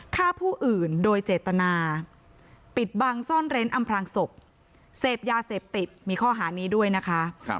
ฆ่าผู้อื่นโดยเจตนาปิดบังซ่อนเร้นอำพลางศพเสพยาเสพติดมีข้อหานี้ด้วยนะคะ